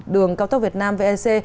đường tốc tốc việt nam vec